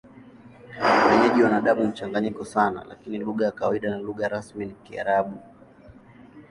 Wenyeji wana damu mchanganyiko sana, lakini lugha ya kawaida na lugha rasmi ni Kiarabu.